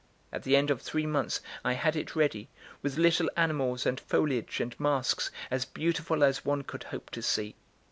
At the end of three months I had it ready, with little animals and foliage and masks, as beautiful as one could hope to see.